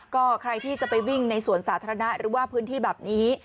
ก็ใครที่จะไปวิ่งในสวนสาธารณะหรือว่าพื้นที่แบบนี้